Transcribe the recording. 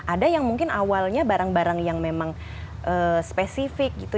ada yang mungkin awalnya barang barang yang memang spesifik gitu